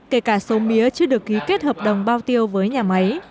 kể cả số mía chưa được ký kết hợp đồng bao tiêu với nhà máy